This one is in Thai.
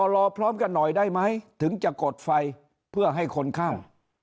รอพร้อมกันหน่อยได้ไหมถึงจะกดไฟเพื่อให้คนข้าม